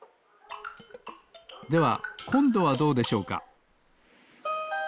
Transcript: ではこんどはどうでしょうか？